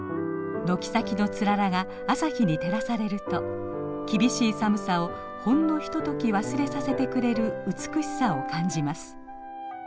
軒先のつららが朝日に照らされると厳しい寒さをほんのひととき忘れさせてくれる美しさを感じます。